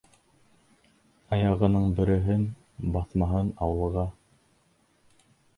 Аяғының береһен баҫмаһын ауылға.